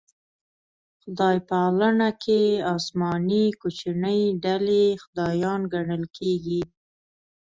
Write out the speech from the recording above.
خدای پالنه کې اسماني کوچنۍ ډلې خدایان ګڼل کېږي.